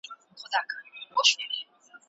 که حکومتونه کمزوري سي نو ژر به له منځه لاړ سي.